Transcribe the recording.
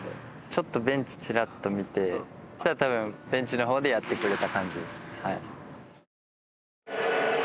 ちょっとベンチチラッと見てそしたら多分ベンチの方でやってくれた感じですねはい。